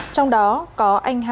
trong đó có anh hà xuân nguyễn